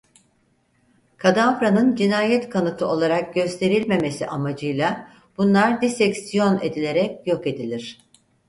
Kadavranın cinayet kanıtı olarak gösterilmemesi amacıyla bunlar diseksiyon edilerek yok edilir.